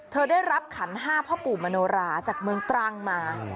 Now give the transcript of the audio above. ได้รับขันห้าพ่อปู่มโนราจากเมืองตรังมา